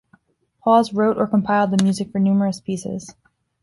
Hawes wrote or compiled the music for numerous pieces.